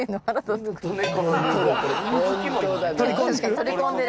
取り込んでる。